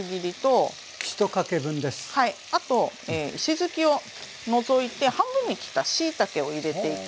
あと石づきを除いて半分に切ったしいたけを入れていきます。